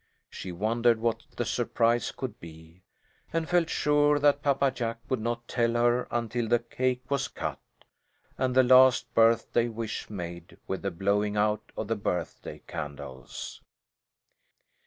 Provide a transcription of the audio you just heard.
She wondered what the surprise could be, and felt sure that Papa Jack would not tell her until the cake was cut, and the last birthday wish made with the blowing of the birthday candles.